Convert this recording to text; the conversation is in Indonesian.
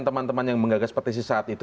teman teman yang menggagas petisi saat itu